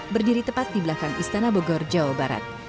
berdiri tepat di belakang istana bogor jawa barat